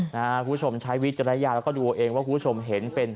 คุณผู้ชมใช้วิจารณญาณแล้วก็ดูเอาเองว่าคุณผู้ชมเห็นเป็น